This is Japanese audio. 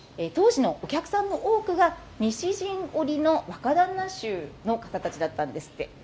当時のお客さんの多くが西陣織の若旦那衆の方たちだったんですって。